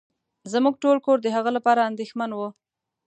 زمونږ ټول کور د هغه لپاره انديښمن وه.